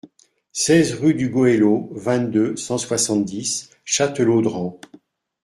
seize rue du Goëlo, vingt-deux, cent soixante-dix, Châtelaudren